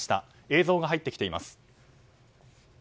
映像が入ってきています。